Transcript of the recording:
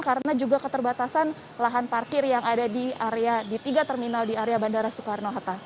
karena juga keterbatasan lahan parkir yang ada di tiga terminal di area bandara soekarno hatta